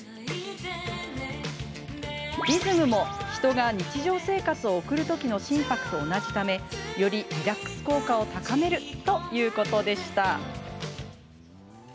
リズムも人が日常生活を送る時の心拍と同じためよりリラックス効果を高めるということでした。